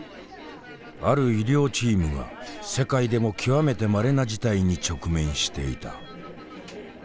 ある医療チームが世界でも極めてまれな事態に直面していた。